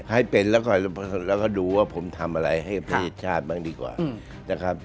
ให้เป็นแล้วก็ดูว่าผมทำอะไรให้ประเทศชาติบ้างดีกว่านะครับ